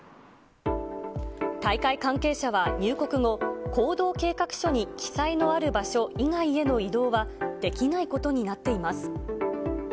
大会関係者は入国後、行動計画書に記載のある場所以外への移動はできないことになっています。